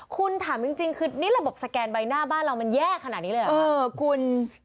คุณถามจริงคือนี่ระบบสแกนใบหน้าบ้านเรามันแย่ขนาดนี้เลยเหรอ